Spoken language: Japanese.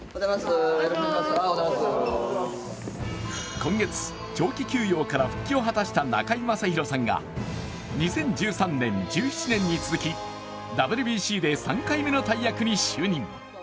今月、長期休養から復帰を果たした中居正広さんが２０１３年、１７年に続きＷＢＣで３回目の大役に就任。